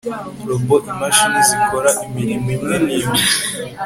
robo imashini zikora imirimo imwe n'imwe